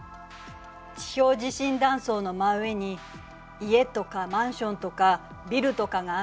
地表地震断層の真上に家とかマンションとかビルとかがあると。